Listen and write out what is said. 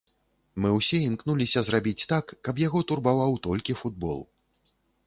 Мы ўсе імкнуліся зрабіць так, каб яго турбаваў толькі футбол.